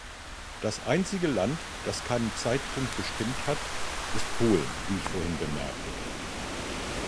Das einzige Land, das keinen Zeitpunkt bestimmt hat, ist Polen, wie ich vorhin bemerkte.